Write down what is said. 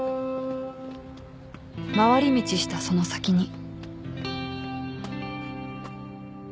［回り道したその先に］